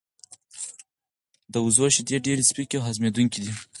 د وزو شیدې ډیر سپکې او هضمېدونکې دي.